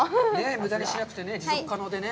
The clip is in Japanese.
無駄にしなくてね、持続可能でね。